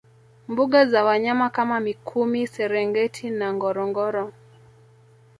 Mbuga za wanyama kama mikumi serengeti na ngorongoro